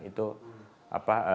itu salah satu